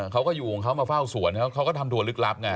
เขาก็อยู่ของเขามาเฝ้าสวนเขาก็ทำตัวลึกลับไง